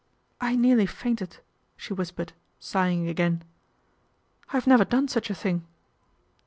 " I nearly fainted," she whispered, sighing again. " I've never done such a thing."